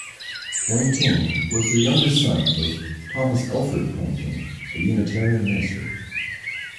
Poynting was the youngest son of Thomas Elford Poynting, a Unitarian minister.